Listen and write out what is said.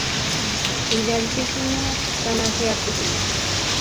Y de altísimo octanaje artístico.